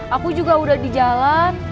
aku juga udah di jalan